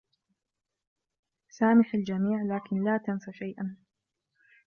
سامح الجميع لكن لا تنس شيئا.